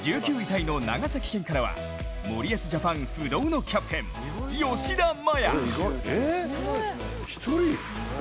タイの長崎県からは森保ジャパン不動のキャプテン・吉田麻也。